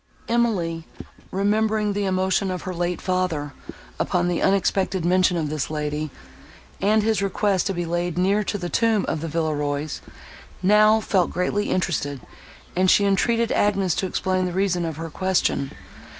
Emily, remembering the emotion of her late father, upon the unexpected mention of this lady, and his request to be laid near to the tomb of the Villerois, now felt greatly interested, and she entreated Agnes to explain the reason of her question.